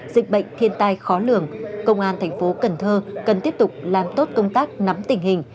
dịch bệnh thiên tai khó lường công an thành phố cần thơ cần tiếp tục làm tốt công tác nắm tình hình